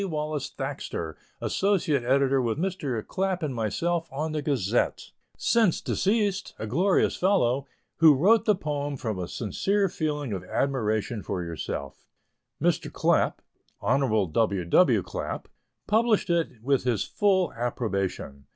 Wallace Thaxter, associate editor with Mr. Clapp and myself, on the Gazette since deceased, a glorious fellow who wrote the poem from a sincere feeling of admiration for yourself. Mr. Clapp, (Hon. W. W. Clapp,) published it with his full approbation.